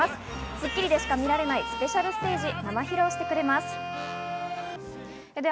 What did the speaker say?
『スッキリ』でしか見られないスペシャルステージ生披露です。